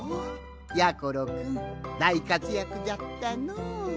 やころくんだいかつやくじゃったのう。